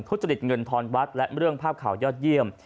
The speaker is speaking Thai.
ทุจริตเงินทอนวัดและเรื่องภาพข่าวยอดเยี่ยม